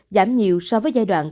giảm nhiều so với giai đoạn